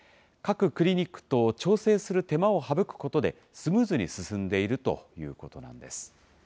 各クリニックと調整する手間を省くことで、スムーズに進んでいるということなんです。